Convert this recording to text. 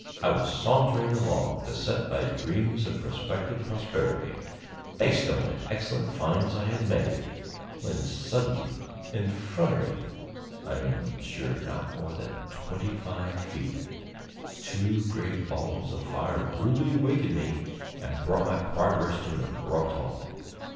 I was sauntering along, beset by dreams of prospective prosperity, based on the excellent finds I had made, when suddenly in front of me I am sure not more than twenty five feet two great balls of fire rudely awakened me and brought my progress to an abrupt halt.